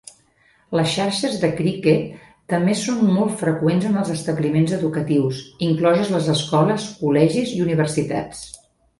Les xarxes de cricket també són molt freqüents en els establiments educatius, incloses les escoles, col·legis i universitats.